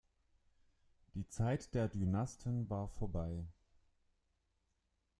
Die Zeit der Dynasten war vorbei.